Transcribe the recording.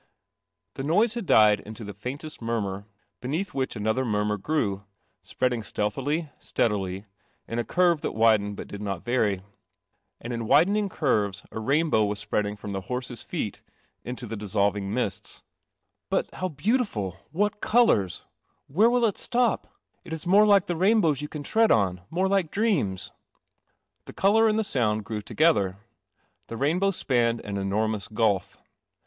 The noise ha i died into the faintest murmur, beneath which another murmur grew, Spre Stealthily, tea lily, in a curve that widened hut did not vary. And in widening curve rainbow was ipreadin the I >' feet into the dissolving mi THE CELESTIAL OMNIBUS " But how beautiful ! What colours ! Where will it stop? It is more like the rainbows you can tread on. More like dreams." The colour and the sound grew together. The rainbow spanned an enormous gulf.